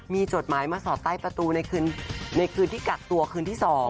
มีจดหมายมาสอดใต้ประตูในคืนที่กักตัวคืนที่๒